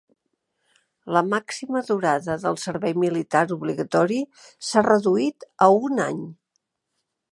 La màxima durada del servei militar obligatori s'ha reduït a un any.